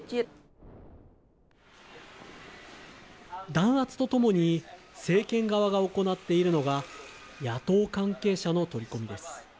弾圧とともに政権側が行っているのが、野党関係者の取り込みです。